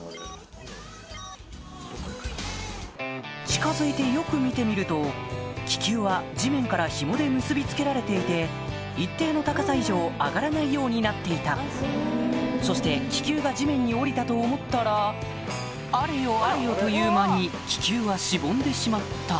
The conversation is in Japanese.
近づいてよく見てみると気球は地面からヒモで結び付けられていて一定の高さ以上上がらないようになっていたそして気球が地面に降りたと思ったらあれよあれよという間に気球はしぼんでしまった